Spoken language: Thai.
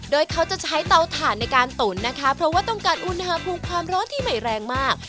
โดยเขาจะใช้เตาถ่านในการตุ๋นนะคะเพราะว่าต้องการอุณหภูมิความร้อนที่ใหม่แรงมาก